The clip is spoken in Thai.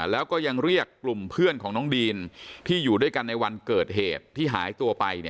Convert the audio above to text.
แล้วก็ยังเรียกกลุ่มเพื่อนของน้องดีนที่อยู่ด้วยกันในวันเกิดเหตุที่หายตัวไป